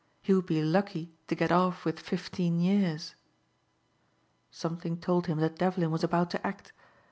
He would be lucky to get off with fifteen years. Something told him that Devlin was about to act.